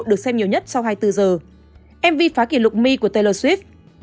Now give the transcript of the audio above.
được xem nhiều nhất sau hai mươi bốn h mv phá kỷ lục my của taylor swift